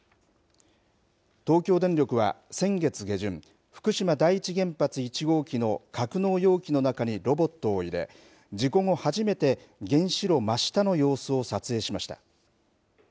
東京電力は先月下旬、福島第一原発１号機の格納容器の中にロボットを入れ、事故後初めて原子炉真下の様子を撮影しました。